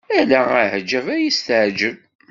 Ala aɛjab ay as-teɛjeb.